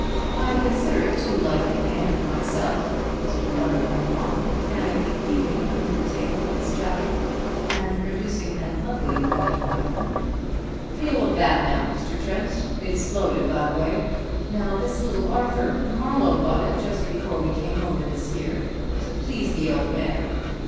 I consider it too light in the hand myself," Mr. Bunner went on, mechanically feeling under the tail of his jacket, and producing an ugly looking weapon. "Feel of that, now, Mr. Trent it's loaded, by the way. Now this Little Arthur Marlowe bought it just before we came over this year, to please the old man.